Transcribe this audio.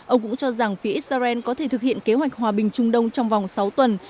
ông cũng cho rằng phía israel có thể thực hiện kế hoạch hòa bình trung đông trong vòng sáu tuần